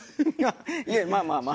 いえまあまあまあ。